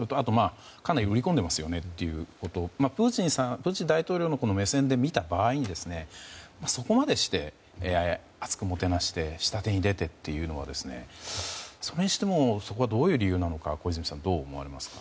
かなり売り込んでいるということプーチン大統領の目線で見た場合にそこまでして、厚くもてなして下手に出てというのはそれにしてもそこはどういう理由なのか小泉さんはどう思われますか。